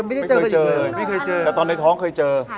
ไม่เคยเจอแต่ตอนในท้องเคยเจอ